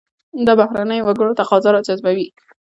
دا بهرنیو وګړو تقاضا راجذبوي.